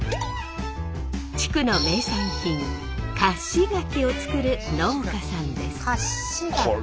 地区の名産品甲子柿を作る農家さんです。